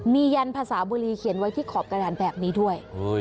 มียันภาษาบุรีเขียนไว้ที่ขอบกระดานแบบนี้ด้วย